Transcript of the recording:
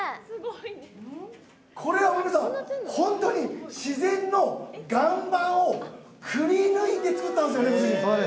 これ、皆さん、本当に自然の岩盤をくりぬいて作ったんですよね、ご主人。